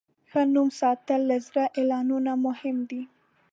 ښه نوم ساتل له زر اعلانونو مهم دی.